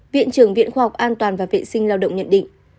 viện trưởng viện khoa học an toàn và vệ sinh lao động nhận định